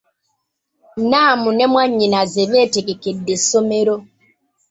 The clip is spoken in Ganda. Namu ne mwanyinnaze beetegekedde essomero.